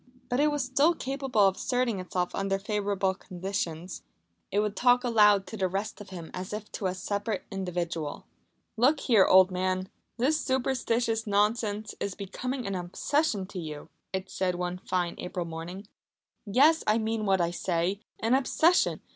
But it was still capable of asserting itself under favourable conditions. It would talk aloud to the rest of him as if to a separate individual. "Look here, old man, this superstitious nonsense is becoming an obsession to you," it said one fine April morning. "Yes, I mean what I say an obsession!